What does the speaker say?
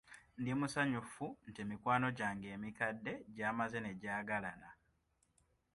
Ndi musanyufu nti mikwano gyange emikadde gyamaze ne gyagalana.